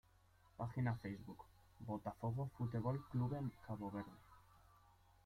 Página Facebook: "Botafogo Futebol Clube Cabo Verde"